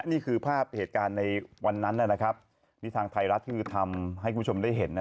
นี่คือภาพเหตุการณ์ในวันนั้นนะครับนี่ทางไทยรัฐคือทำให้คุณผู้ชมได้เห็น